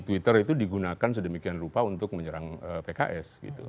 di twitter itu digunakan sedemikian rupa untuk menyerang pks